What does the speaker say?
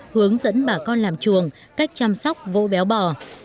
hướng dẫn bà con làm chuồng cách chăm sóc vỗ béo bò